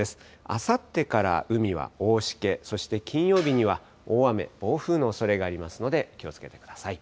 あさってから海は大しけ、そして金曜日には大雨、暴風のおそれがありますので、気をつけてください。